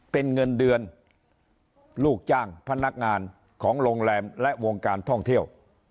เป็นเงินเดือนลูกจ้างพนักงานของโรงแรมและวงการท่องเที่ยว